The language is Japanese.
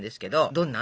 どんな？